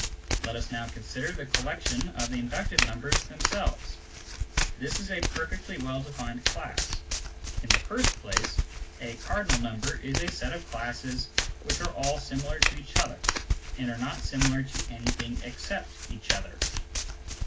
Let us now consider the collection of the inductive numbers themselves. This is a perfectly well defined class. In the first place, a cardinal number is a set of classes which are all similar to each other and are not similar to anything except each other.